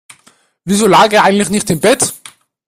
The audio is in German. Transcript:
Wieso lag er eigentlich nicht im Bett?